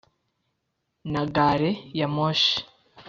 Na gare-ya-moshi